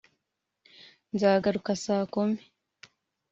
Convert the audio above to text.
nzagaruka saa kumi